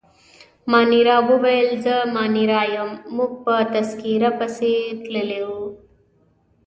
مانیرا وویل: زه مانیرا یم، موږ په تذکیره پسې تللي وو.